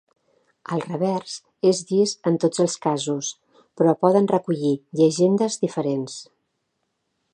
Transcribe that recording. El revers és llis en tots els casos, però poden recollir llegendes diferents.